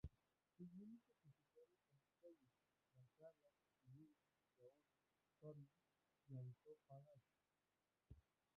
Sus límites oficiales son las calles: Barcala, Muñiz, Gaona, Thorne y Antofagasta.